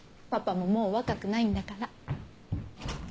パパももう若くないんだから。